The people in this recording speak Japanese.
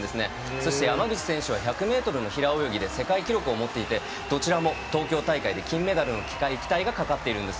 そして、山口選手は１００ｍの平泳ぎで世界記録を持っていてどちらも東京大会で金メダルの期待がかかっています。